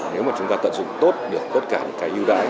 nếu mà chúng ta tận dụng tốt được tất cả những cái ưu đãi